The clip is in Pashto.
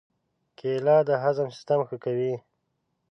کېله د هضم سیستم ښه کوي.